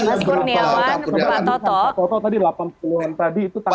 yang berapa pak kurniawan